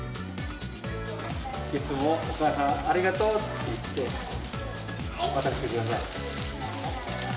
いつもお母さんありがとうって言って、渡してください。